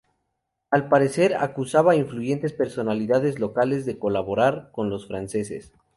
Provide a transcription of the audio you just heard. Al parecer acusaba a influyentes personalidades locales de colaborar con los franceses.